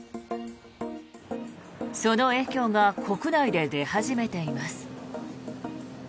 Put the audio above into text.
その影響が国内で出始めています。